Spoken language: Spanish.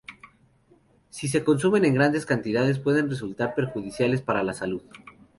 Si se consumen en grandes cantidades pueden resultar perjudiciales para la salud.